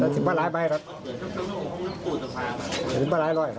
สิบประหลายร้อยครับ